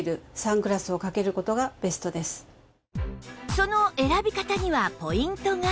その選び方にはポイントが